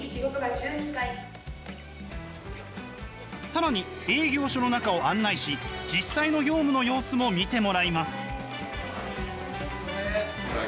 更に営業所の中を案内し実際の業務の様子も見てもらいます。